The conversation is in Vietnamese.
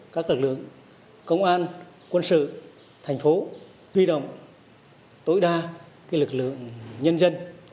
các lực lượng công an quân sự thành phố huy động tối đa lực lượng nhân dân